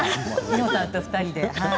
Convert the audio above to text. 美穂さんと２人で。